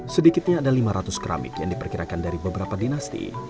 sedikitnya ada lima ratus keramik yang diperkirakan dari beberapa dinasti